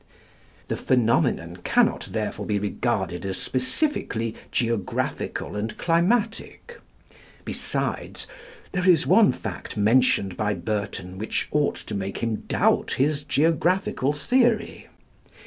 The phenomenon cannot therefore be regarded as specifically geographical and climatic. Besides, there is one fact mentioned by Burton which ought to make him doubt his geographical theory.